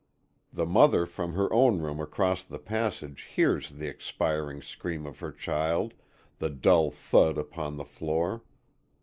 The mother from her own room across the passage hears the expiring scream of her child, the dull thud upon the floor.